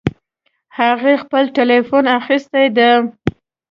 هغې خپل ټیلیفون اخیستی ده